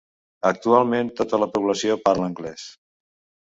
Actualment tota la població parla anglès.